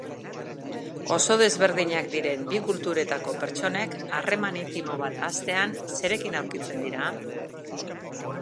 Oso desberdinak diren bi kulturetako pertsonek harreman intimo bat hastean zerekin aurkitzen dira?